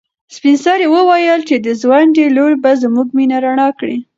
سپین سرې وویل چې د ځونډي لور به زموږ مېنه رڼا کړي.